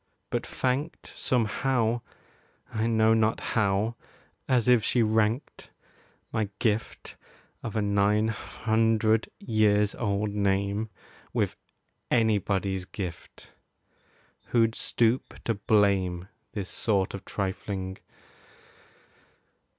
but thanked Somehow I know not how as if she ranked My gift of a nine hundred years old name With anybody's gift. Who'd stoop to blame This sort of trifling?